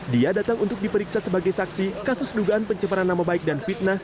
dia datang untuk diperiksa sebagai saksi kasus dugaan pencemaran nama baik dan fitnah